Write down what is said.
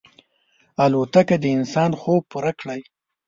الوتکه د انسان خوب پوره کړی.